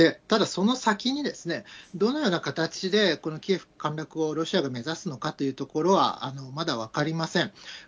ただ、その先にどのような形でキエフ陥落をロシアが目指すのかというところは、まだ分かりません。